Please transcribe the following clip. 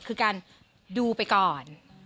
คือการดูไปก่อน